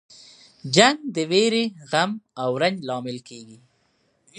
جنګ د ویرې، غم او رنج لامل کیږي.